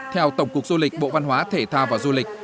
theo tổng cục du lịch bộ văn hóa thể thao và du lịch